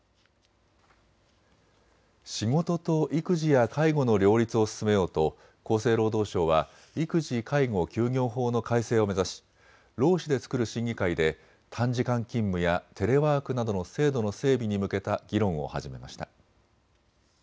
仕事と育児や介護の両立を進めようと厚生労働省は育児・介護休業法の改正を目指し労使で作る審議会で短時間勤務やテレワークなどの制度の整備に向けた議論を始めました。